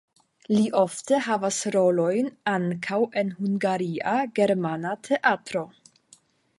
Li ofte havas rolojn ankaŭ en Hungaria Germana Teatro.